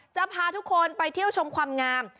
จะพาทุกคนไปเที่ยวชมความงาม